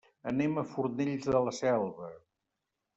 Anem a Fornells de la Selva.